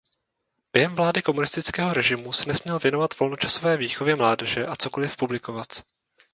Během vlády komunistického režimu se nesměl věnovat volnočasové výchově mládeže a cokoliv publikovat.